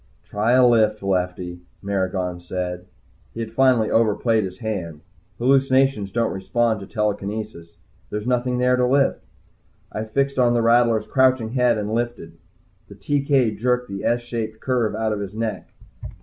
"Try a lift, Lefty," Maragon said. He had finally overplayed his hand. Hallucinations don't respond to telekinesis there's nothing there to lift. I fixed on the rattler's crouching head and lifted. The TK jerked the S shaped curve out of his neck.